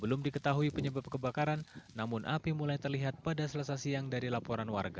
belum diketahui penyebab kebakaran namun api mulai terlihat pada selasa siang dari laporan warga